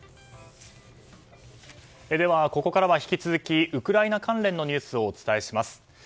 ここからは引き続きウクライナ関連のニュースをお伝えします。